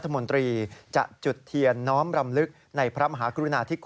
ถึง๑๘นิริกา๔๕นาที